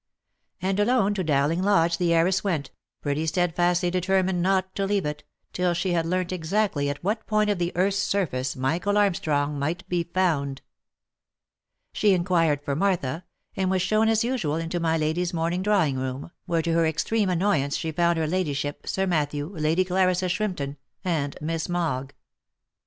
And alone to Dowling Lodge the heiress went, pretty steadfastly determined not to leave it, till she had learnt exactly at what point of the earth's surface Michael Armstrong might be found. She inquired for Martha, and was shown as usual into my lady's morning drawing room, where to her extreme annoyance she found her ladyship, Sir Matthew, Lady Clarissa Shrimpton, and Miss Mogg.